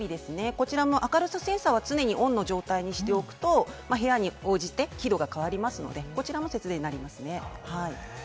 こちらも明るさセンサーは常にＯＮの状態にしておくと、部屋に応じて光度が変わりますので、節電になります。